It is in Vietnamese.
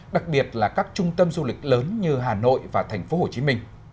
đặc biệt là các trung tâm du lịch lớn như hà nội và tp hcm